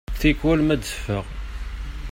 Tikwal ma d-teffeɣ.